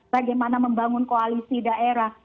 bagaimana membangun koalisi daerah